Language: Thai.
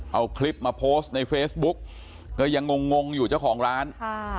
เอาคลิปมาโพสต์ในเฟซบุ๊กก็ยังงงงอยู่เจ้าของร้านค่ะ